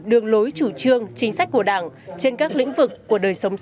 đường lối chủ trương chính sách của đảng trên các lĩnh vực của đời sống xã